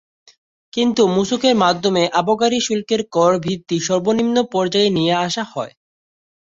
কিন্তু মূসকের মাধ্যমে আবগারি শুল্কের কর ভিত্তি সর্বনিম্ন পর্যায়ে নিয়ে আসা হয়।